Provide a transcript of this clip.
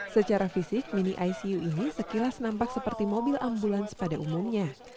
secara fisik mini icu ini sekilas nampak seperti mobil ambulans pada umumnya